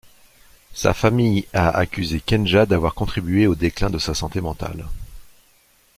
Sa famille a accusé Kenja d'avoir contribué au déclin de sa santé mentale.